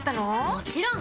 もちろん！